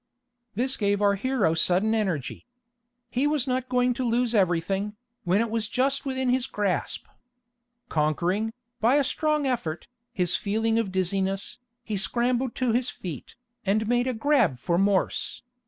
This gave our hero sudden energy. He was not going to lose everything, when it was just within his grasp. Conquering, by a strong effort, his feeling of dizziness, he scrambled to his feet, and made a grab for Morse.